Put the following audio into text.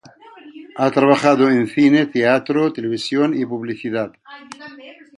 Ha trabajado en cine, teatro, televisión y publicidad.